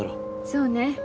そうね。